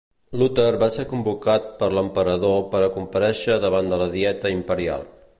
Luter va ser convocat per l'Emperador per a comparèixer davant de la Dieta Imperial.